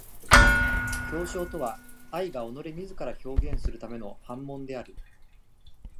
表象とは愛が己れ自ら表現するための煩悶である。